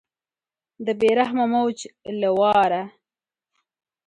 د بې رحمه موج له واره